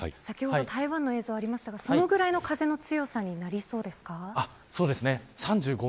先ほど台湾の映像ありましたがそれくらいの風の強さにそうですね。